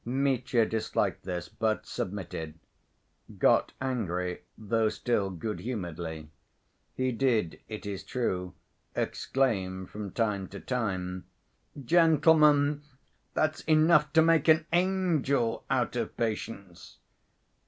Mitya disliked this, but submitted; got angry, though still good‐humoredly. He did, it is true, exclaim, from time to time, "Gentlemen, that's enough to make an angel out of patience!"